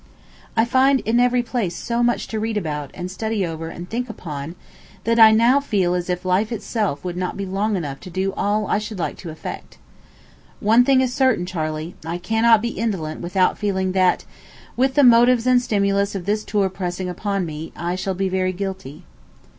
I find in every place so much to read about, and study over, and think upon, that I now feel as if life itself would not be long enough to do all I should like to effect. One thing is certain, Charley; I cannot be indolent without feeling that, with the motives and stimulus of this tour pressing upon me, I shall be very guilty.